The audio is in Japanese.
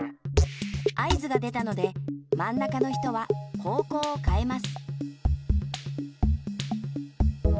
合図が出たのでまんなかの人は方向をかえます。